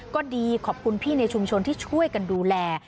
ก็ดีขอบคุณพี่ในชุมชนที่ช่วยกันดูแล